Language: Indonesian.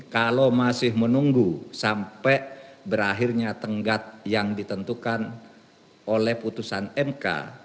kalau masih menunggu sampai berakhirnya tenggat yang ditentukan oleh putusan mk